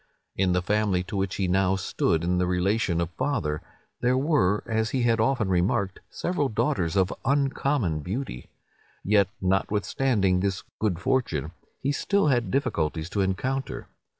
In the family to which he now stood in the relation of father, there were, as he had often remarked, several daughters of uncommon beauty. Yet notwithstanding this good fortune, he still had difficulties to encounter.